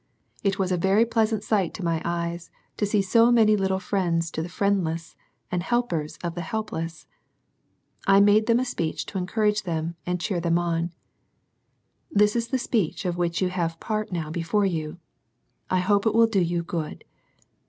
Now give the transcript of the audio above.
It was a very pleasant sight to my eyes to see so many little friends to the friendless, and helpers of the helpless. I made them a speech to encourage them and cheer them on. This is the speech of which you have part now before you. I hope it will do you good.